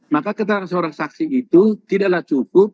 maka keterangan seorang saksi itu tidaklah cukup